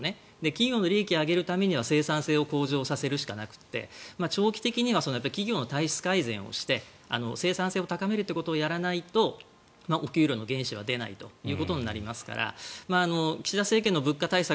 企業の利益を上げるためには生産性を向上させるしかなくて長期的には企業の体質改善をして生産性を高めるってことをやらないとお給料の原資は出ないということになりますから岸田政権の物価対策